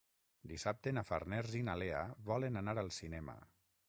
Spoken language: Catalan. Dissabte na Farners i na Lea volen anar al cinema.